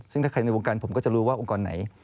ซึ่งถ้าใครในวงการผมก็จะรู้ว่าองค์กรไหน